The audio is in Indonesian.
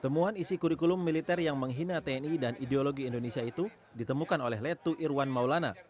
temuan isi kurikulum militer yang menghina tni dan ideologi indonesia itu ditemukan oleh letu irwan maulana